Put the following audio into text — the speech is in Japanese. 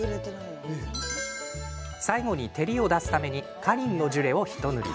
最後に照りを出すためにカリンのジュレを一塗り。